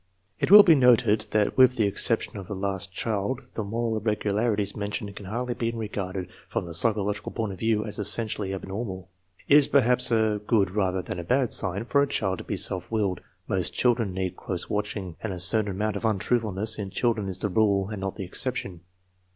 It will be noted that with the exception of the last child, the moral irregularities mentioned can hardly be regarded, from the psychological point of view, as essentially abnormal. It is perhaps a good rather than a bad sign for a child to be self willed; most children "need close watching"; and a certain amount of untruthfulness in children is the rule and not the exception.